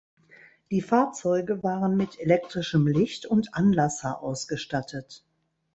Die Fahrzeuge waren mit elektrischem Licht und Anlasser ausgestattet.